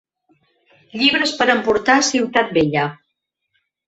Llibres per emportar a Ciutat Vella.